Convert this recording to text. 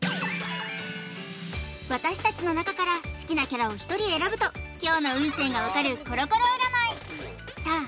私達の中から好きなキャラを１人選ぶと今日の運勢が分かるコロコロ占いさあ